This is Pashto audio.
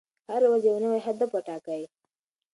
هره ورځ یو نوی هدف وټاکئ.